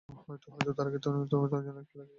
হয়তো তার আগেই তুমি আমার জন্য একটা লাকি কয়েন আনবে।